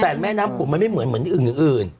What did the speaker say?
แต่แม่น้ำโขงมันไม่เหมือนอื่น